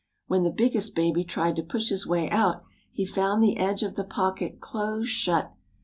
When the biggest baby tried to push his way out he found the edge of the pocket close shut.